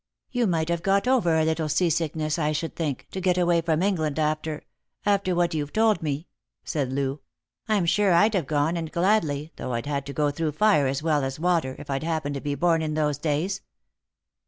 " You might have got over a little sea sickness, I should think, to get away from England, after — after what you've told me," said Loo. " I'm sure I'd have gone, and gladly, though I'd had to go through fire as well as water, if I'd happened to be born in those days."